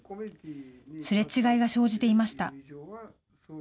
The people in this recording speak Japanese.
すれ違いが生じていました。